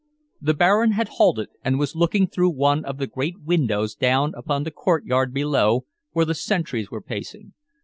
The Baron had halted, and was looking through one of the great windows down upon the courtyard below where the sentries were pacing.